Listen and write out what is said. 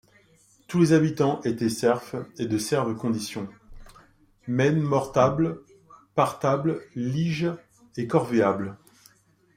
Tous les habitants, étaient serfs et de serve condition, mainmortables, partables, liges et corvéables.